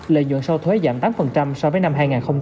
lợi nhuận sau thuế giảm tám so với năm hai nghìn một mươi tám